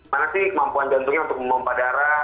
mana sih kemampuan jantungnya untuk melompat darah